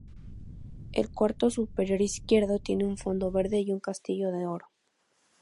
El cuarto superior izquierdo tiene un fondo verde y un castillo de oro.